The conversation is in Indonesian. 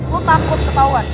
gue takut ketauan